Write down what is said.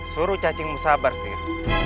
suruh cacingmu sabar sir